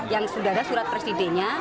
yang sudah ada surat presidennya